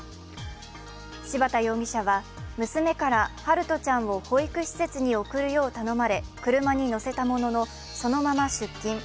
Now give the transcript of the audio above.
柴田容疑者は娘から陽翔ちゃんを保育施設に送るよう頼まれ車に乗せたもののそのまま出勤。